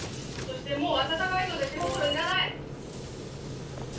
そしてもう暖かいので手袋要らない！